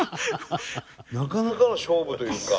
なかなかの勝負というか。